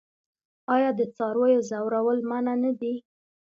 آیا د څارویو ځورول منع نه دي؟